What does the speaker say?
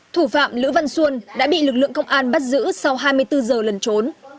thủ phạm lữ văn xuôn đã bị lực lượng công an bắt giữ sau hai mươi bốn h lần trốn